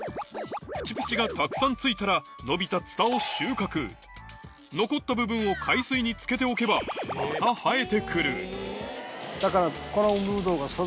プチプチがたくさんついたら伸びたツタを収穫残った部分を海水につけておけばまた生えて来るだからこの海ぶどうが。